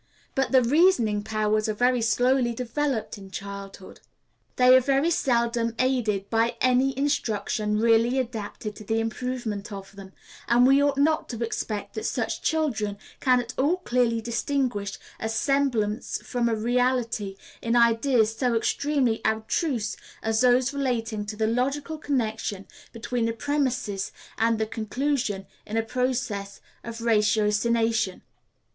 But the reasoning powers are very slowly developed in childhood. They are very seldom aided by any instruction really adapted to the improvement of them; and we ought not to expect that such children can at all clearly distinguish a semblance from a reality in ideas so extremely abstruse as those relating to the logical connection between the premises and the conclusion in a process of ratiocination.